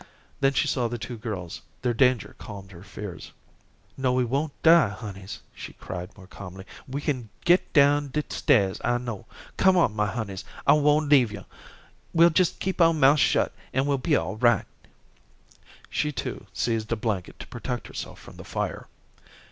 Then she saw the two girls. Their danger calmed her fears. "No, we won't die, honeys," she cried more calmly. "We kin get down de stairs, I know. Come on, my honeys. I won't leave yo'. We'll jes' keep our mouths shut, an' we'll be all right." She, too, seized a blanket to protect herself from the fire.